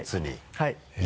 はい。